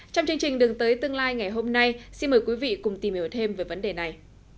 trong chương trình đường tới tương lai ngày hôm nay xin mời quý vị cùng tìm hiểu thêm về vấn đề này